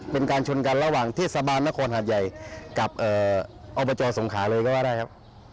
เป็นการชนกันระหว่างที่สะบานเนธภัณฑ์หาดใหญ่กับเอาบบจอยสงขาเลยก็ได้ครับ